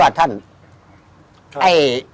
ลลลล